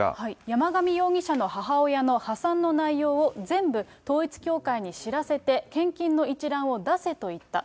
山上容疑者の母親の破産の内容を、全部統一教会に知らせて、献金の一覧を出せと言った。